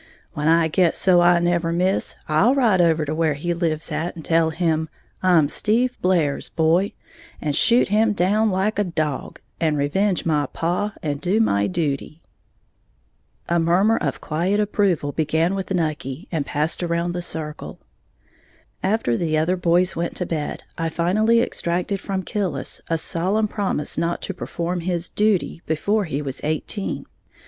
When I get so I never miss, I'll ride over where he lives at and tell him 'I'm Steve Blair's boy,' and shoot him down like a dog, and revenge my paw, and do my duty." [Illustration: "'I got a dead tree up the hollow I practice on all the time.'"] A murmur of quiet approval began with Nucky and passed around the circle. After the other boys went to bed, I finally extracted from Killis a solemn promise not to perform this "duty" before he was eighteen.